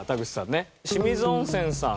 清水音泉さん